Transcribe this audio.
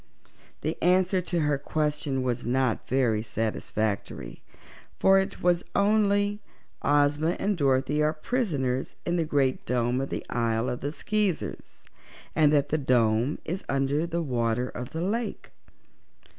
The answer to her question was not very satisfactory, for it was only: "Ozma and Dorothy are prisoners in the great Dome of the Isle of the Skeezers, and the Dome is under the water of the lake."